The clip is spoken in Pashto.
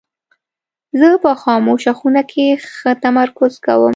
زه په خاموشه خونه کې ښه تمرکز کوم.